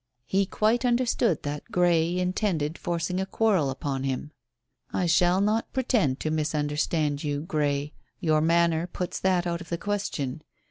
He quite understood that Grey intended forcing a quarrel upon him. "I shall not pretend to misunderstand you, Grey. Your manner puts that out of the question.